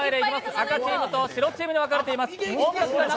赤チームと白チームに分かれています。